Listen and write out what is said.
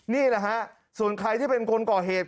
นี่แหละฮะส่วนใครที่เป็นคนก่อเหตุ